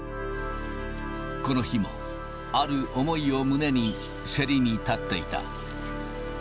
この日も、ある思いを胸に競りに立っていた。